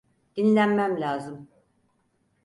Dinlenmem lazım.